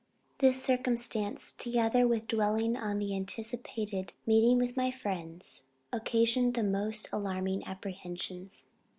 This circumstance, together with dwelling on the anticipated meeting with my friends, occasioned the most alarming apprehensions.